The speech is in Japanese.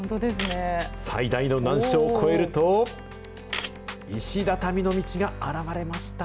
最大の難所を越えると、石畳の道が現れました。